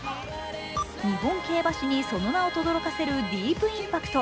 日本競馬史にその名をとどろかせるディープインパクト、